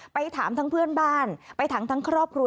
ไปถามทั้งเพื่อนบ้านไปถามทั้งครอบครัว